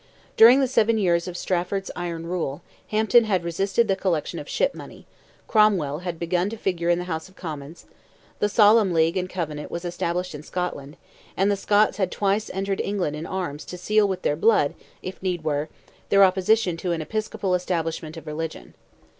During the seven years of Strafford's iron rule, Hampden had resisted the collection of ship money, Cromwell had begun to figure in the House of Commons, the Solemn League and Covenant was established in Scotland, and the Scots had twice entered England in arms to seal with their blood, if need were, their opposition to an episcopal establishment of religion.